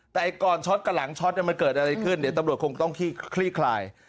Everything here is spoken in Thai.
แต่ก่อนช็อตกับหลังช็อตมันเกิดอะไรขึ้นเดี๋ยวตำรวจคงต้องคลี่คลาย